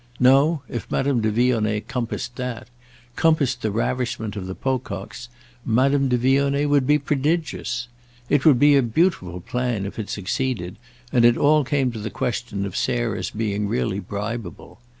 No, if Madame de Vionnet compassed that, compassed the ravishment of the Pococks, Madame de Vionnet would be prodigious. It would be a beautiful plan if it succeeded, and it all came to the question of Sarah's being really bribeable.